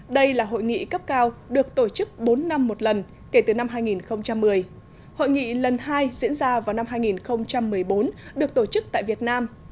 đây là hội nghị cấp cao được tổ chức bốn năm một lần kể từ năm hai nghìn một mươi hội nghị lần hai diễn ra vào năm hai nghìn một mươi bốn được tổ chức tại việt nam